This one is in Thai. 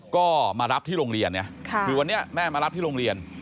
ก็มารับที่โรงเรียนไงคือวันนี้แม่มารับที่โรงเรียน